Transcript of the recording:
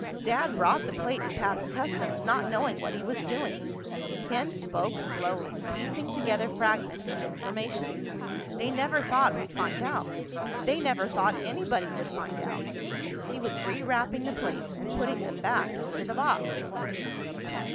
"Dad brought the plates past customs not knowing what he was doing." Ken spoke slowly, piecing together fragments of information. "They never thought we'd find out—they never thought anybody would find out." He was rewrapping the plates and putting them back into the box.